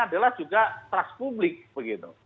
adalah juga trust publik begitu